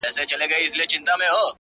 راسه د يو بل اوښکي وچي کړو نور،